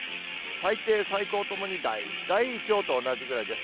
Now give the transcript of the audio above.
最低、最高ともに大体きょうと同じぐらいです。